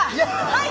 はい！